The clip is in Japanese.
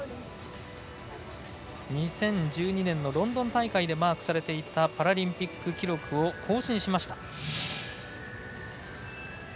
２０１２年のロンドン大会でマークされていたパラリンピック記録を更新しました。